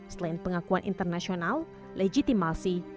selain pengakuan internasional legitimasi bagian lainnya